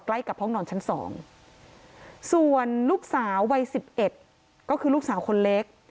ใกล้กับห้องนอนชั้น๒ส่วนลูกสาววัย๑๑ก็คือลูกสาวคนเล็ก